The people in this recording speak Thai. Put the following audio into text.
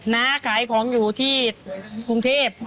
น้าขายของอยู่ที่กรุงเทพ